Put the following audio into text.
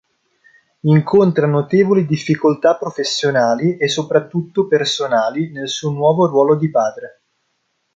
Incontra notevoli difficoltà professionali e soprattutto personali nel suo nuovo ruolo di padre.